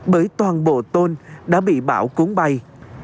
bởi toàn bộ tôn đã bị bão cuốn bay